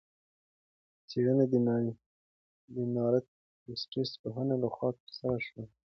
څېړنه د نارت وېسټرن پوهنتون لخوا ترسره شوې.